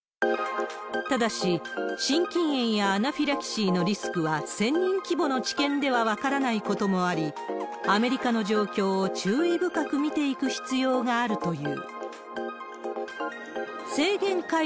ただし、心筋炎やアナフィラキシーのリスクは、１０００人規模の治験では分からないこともあり、アメリカの状況を注意深く見ていく必要があるという。